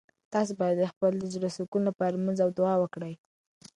تاسو باید د خپل زړه د سکون لپاره لمونځ او دعا وکړئ.